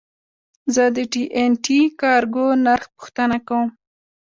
زه د ټي این ټي کارګو نرخ پوښتنه کوم.